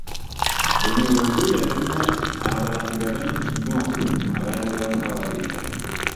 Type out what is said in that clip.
Bunyoro yo yalina abalangira bangi nnyo abaana ba Kabalega.